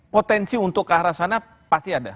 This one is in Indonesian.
potensi untuk ke arah sana pasti ada